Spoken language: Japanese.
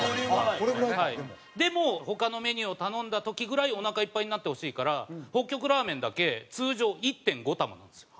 でも他のメニューを頼んだ時ぐらいおなかいっぱいになってほしいから北極ラーメンだけ通常１．５玉なんですよ。